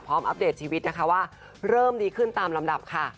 อัปเดตชีวิตนะคะว่าเริ่มดีขึ้นตามลำดับค่ะ